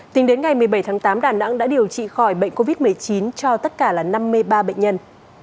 tính đến ngày một mươi bảy tháng tám đà nẵng đã điều trị khỏi bệnh covid một mươi chín cho tất cả là năm mươi ba bệnh nhân